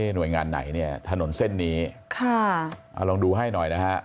หน่วยงานไหนเนี่ยถนนเส้นนี้ลองดูให้หน่อยนะครับ